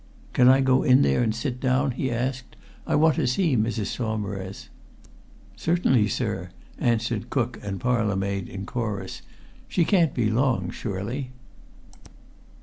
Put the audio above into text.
"Can I go in there and sit down?" he asked. "I want to see Mrs. Saumarez." "Certainly, sir," answered cook and parlour maid in chorus. "She can't be long, surely."